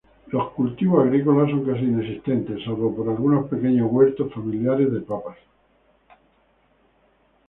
Los cultivos agrícolas son casi inexistentes, salvo por algunos pequeños huertos familiares de papas.